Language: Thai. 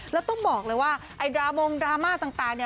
แล้วต้องบอกเลยว่าไอดรามงค์ดราม่าต่าง